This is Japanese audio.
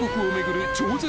超絶